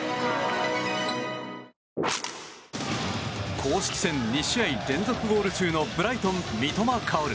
公式戦２試合連続ゴール中のブライトン、三笘薫。